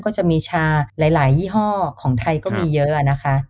ก็จะมีชาหลายยี่ห้อของไทยก็มีเยอะนะคะ